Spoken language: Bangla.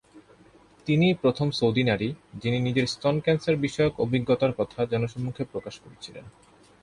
তিনিই প্রথম সৌদি নারী, যিনি নিজের স্তন ক্যান্সার বিষয়ক অভিজ্ঞতার কথা জনসম্মুখে প্রকাশ করেছিলেন।